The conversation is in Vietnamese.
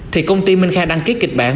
thì công ty minh khang đăng ký kịch bản